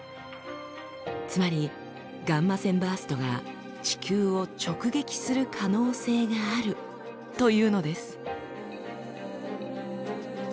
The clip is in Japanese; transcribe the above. つまりガンマ線バーストが地球を直撃する可能性があるというのです。